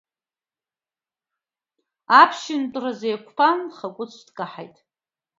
Аԥшьынтәырзы еиқәԥан, Хакәыцә дкаҳаит.